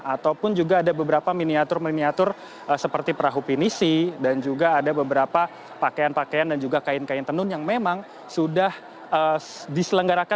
ataupun juga ada beberapa miniatur miniatur seperti perahu pinisi dan juga ada beberapa pakaian pakaian dan juga kain kain tenun yang memang sudah diselenggarakan